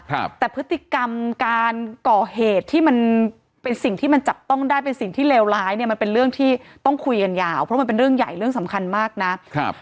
ครับแต่พฤติกรรมการก่อเหตุที่มันเป็นสิ่งที่มันจับต้องได้เป็นสิ่งที่เลวร้ายเนี่ยมันเป็นเรื่องที่ต้องคุยกันยาวเพราะมันเป็นเรื่องใหญ่เรื่องสำคัญมากนะครับ